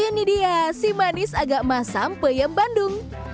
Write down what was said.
ini dia si manis agak masam peyem bandung